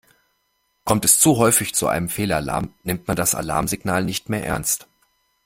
Kommt es zu häufig zu einem Fehlalarm, nimmt man das Alarmsignal nicht mehr ernst.